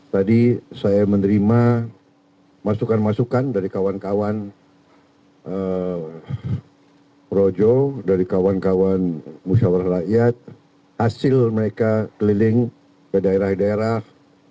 tadi saya menerima masukan masukan dari kawan kawan projo dari kawan kawan musyawarah rakyat hasil mereka keliling ke daerah daerah